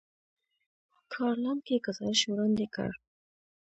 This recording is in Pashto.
کار لنډکی ګزارش وړاندې کړ.